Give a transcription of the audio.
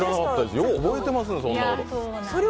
よう覚えてますね、そんなことを。